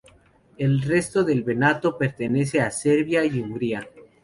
El resto del Banato pertenece a Serbia y Hungría.